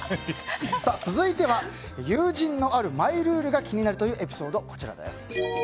続いては友人のあるマイルールが気になるというエピソード。